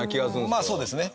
まあそうですね。